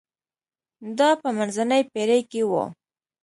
دا په منځنۍ پېړۍ کې و.